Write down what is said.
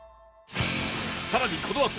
さらにこのあと